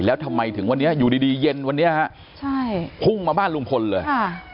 แล้วทำไมถึงวันนี้อยู่ดีดีเย็นวันนี้ฮะใช่พุ่งมาบ้านลุงพลเลยค่ะ